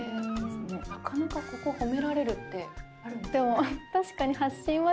なかなかここ褒められるって。